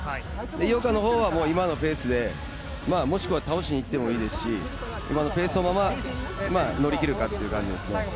井岡の方は今のペースで、もしくは倒しに行ってもいいですし今のペースのまま乗り切るかって感じですね。